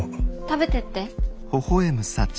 食べてって。